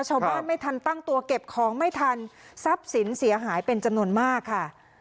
ไม่ทันตั้งตัวเก็บของไม่ทันทรัพย์สินเสียหายเป็นจำนวนมากค่ะ